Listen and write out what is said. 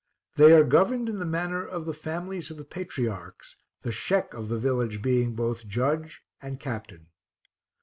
They are governed in the manner of the families of the patriarchs, the Sheck of the village being both judge and captain.